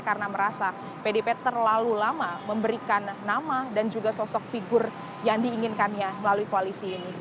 karena merasa pdip terlalu lama memberikan nama dan juga sosok figur yang diinginkannya melalui koalisi ini